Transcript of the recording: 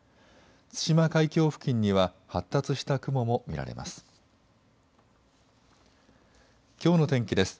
対馬海峡付近には発達した雲も見られます。